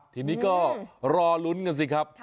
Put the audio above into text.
ทีนี้ก็รอลุ้นกันสิครับ